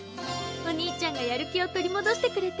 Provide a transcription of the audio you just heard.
お兄ちゃんがやる気を取りもどしてくれて。